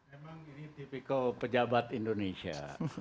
ini tipikal pejabat indonesia